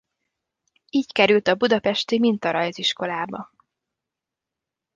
Így került a budapesti Mintarajziskolába.